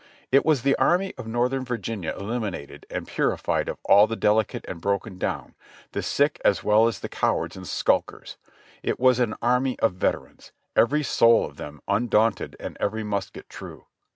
It was the Army of Northern Virginia eliminated and purified of all the delicate and broken down, the sick as well as the cowards and skulkers ; it was an army of veterans, every soul of them undaunted and every musket true.